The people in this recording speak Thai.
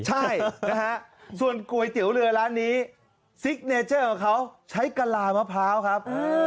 ใช่นะฮะส่วนก๋วยเตี๋ยวเรือร้านนี้ซิกเนเจอร์ของเขาใช้กะลามะพร้าวครับ